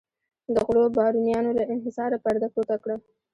د غلو بارونیانو له انحصاره پرده پورته کړه.